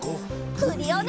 クリオネ！